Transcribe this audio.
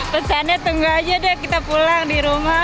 pesannya tunggu aja deh kita pulang di rumah